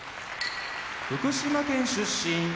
福島県出身